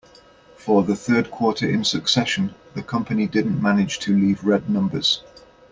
For the third quarter in succession, the company didn't manage to leave red numbers.